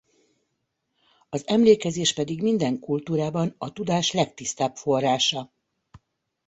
Az emlékezés pedig minden kultúrában a tudás legtisztább forrása.